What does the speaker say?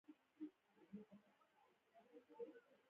هسې هم بدرنګه دنیا پاتې ده میراته